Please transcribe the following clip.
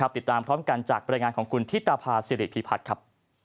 ติดตามพร้อมกันจากบรรยายงานของคุณธิตภาษิริพิพัฒน์ครับ